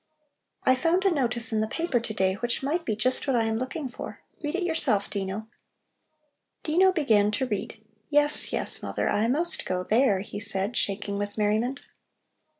I found a notice in the paper to day which might be just what I am looking for. Read it yourself, Dino." Dino began to read. "Yes, yes, mother, I must go there," he said, shaking with merriment.